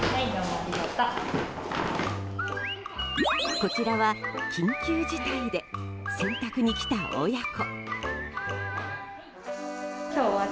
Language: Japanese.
こちらは、緊急事態で洗濯に来た親子。